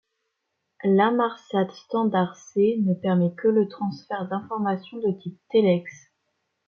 L'inmarsat standard C ne permet que le transfert d'information de type telex.